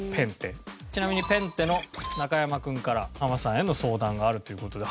ちなみにＰＥＮＴＥの中山君からハマさんへの相談があるという事で。